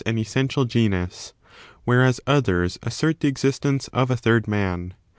g ^^ essential genus, whereas others assert the existence of a third man.